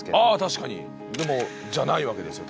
確かにでもじゃないわけですよ